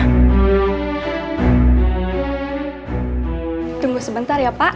tidak digging kawas tentang kehidupan ter